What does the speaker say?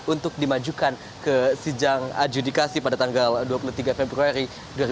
untuk dimajukan ke sidang adjudikasi pada tanggal dua puluh tiga februari dua ribu tujuh belas